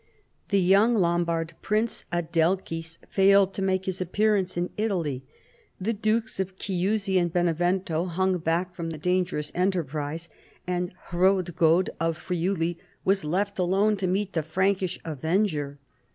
The young Lombard prince Adelchis failed to make his appearance in Italy ; the Dukes of Chiusi and Benevento hung back from the dangerous enterprise and Ilrodgaud of Friuli was left alone to meet the Prankish avenger.